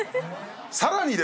さらにですね